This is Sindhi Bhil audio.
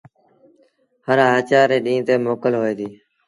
هر آچآر ري ڏيٚݩهݩ تي موڪل هوئي ديٚ۔